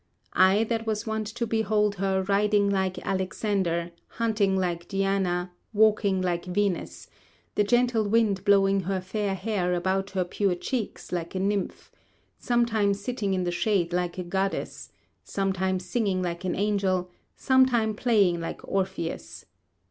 I that was wont to behold her riding like Alexander, hunting like Diana, walking like Venus, the gentle wind blowing her fair hair about her pure cheeks, like a nymph; sometime sitting in the shade like a goddess; sometime singing like an angel; sometime playing like Orpheus.